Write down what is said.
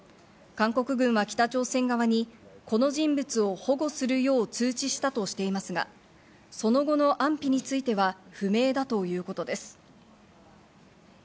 韓国軍は北朝鮮側にこの人物を保護するよう通知したとしていますが、その後の安否については不明だということです。